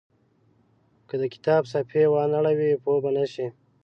که د کتاب صفحې وانه ړوئ پوه به نه شئ.